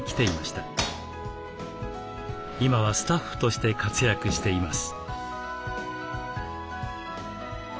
今はスタッフとして活躍しています。